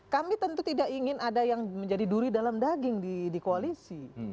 kami tentu tidak ingin ada yang menjadi duri dalam daging di koalisi